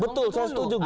betul saya setuju gus